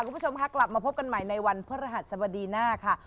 คุณผู้ชมค่ะกลับมาพบกันใหม่ในวันพระรหัสสบดีหน้าค่ะ